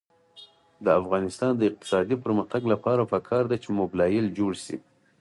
د افغانستان د اقتصادي پرمختګ لپاره پکار ده چې موبلایل جوړ شي.